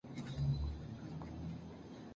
Se encuentra en los ríos Okavango, Zambeze y Congo.